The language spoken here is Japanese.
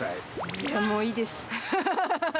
いやあ、もういいです。